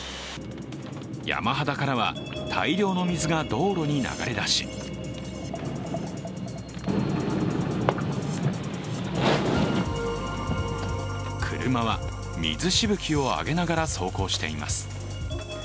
山肌からは、大量の水が道路に流れ出し車は水しぶきを上げながら走行しています。